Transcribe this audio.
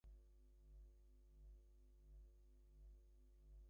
It is also operated by Israel and the Republic of Singapore Air Force.